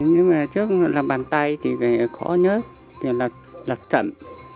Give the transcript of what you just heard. nhưng mà trước là bàn tay thì khó nhớ thì là lật trận